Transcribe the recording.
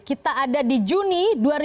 kita ada di juni dua ribu empat belas